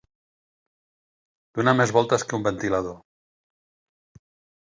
Donar més voltes que un ventilador.